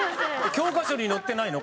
教科書に載ってないの？